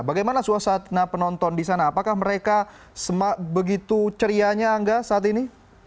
bagaimana suasana penonton di sana apakah mereka begitu cerianya angga saat ini